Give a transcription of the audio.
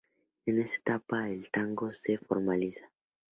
En esta etapa el tango se formaliza.